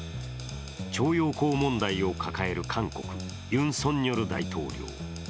徴用工問題を抱える韓国、ユン・ソンニョル大統領。